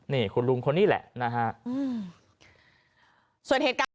นี่คุณลุงคนนี้แหละนะฮะอืม